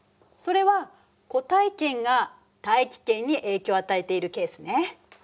それは固体圏が大気圏に影響を与えているケースね。